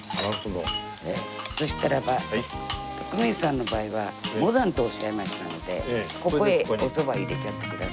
そしたらば徳光さんの場合はもだんとおっしゃいましたのでここへおそばを入れちゃってください。